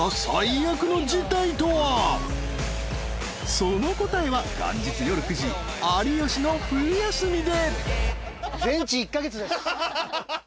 ［その答えは元日夜９時『有吉の冬休み』で！］